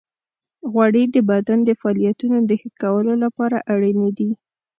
غوړې د بدن د فعالیتونو د ښه کولو لپاره اړینې دي.